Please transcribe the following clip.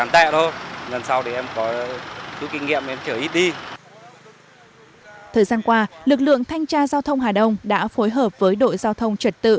thời gian qua lực lượng thanh tra giao thông hà đông đã phối hợp với đội giao thông trật tự